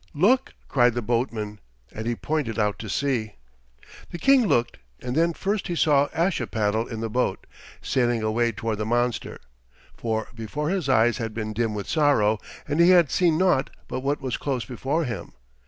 Look!" cried the boatman and he pointed out to sea. The King looked, and then first he saw Ashipattle in the boat, sailing away toward the monster, for before his eyes had been dim with sorrow, and he had seen naught but what was close before him.